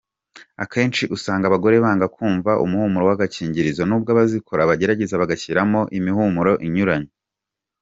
Akenshi usanga abagore banga kumva umuhumuro w’agakingirizo nubwo abazikora bagerageza bagashyiramo imihumuro inyuranye.